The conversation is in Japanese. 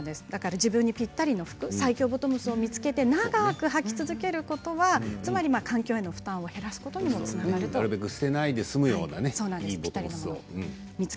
自分にぴったりの服最強ボトムスを見つけて長くはき続けることは環境への負担を減らすことにもつながります。